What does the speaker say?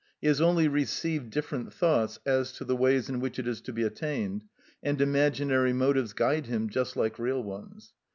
He has only received different thoughts as to the ways in which it is to be attained, and imaginary motives guide him just like real ones.